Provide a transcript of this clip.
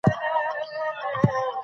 وار=صبر، وار کوه وار به دې راشي!